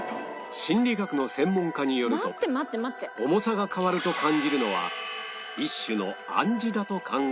心理学の専門家によると重さが変わると感じるのは一種の暗示だと考えられるという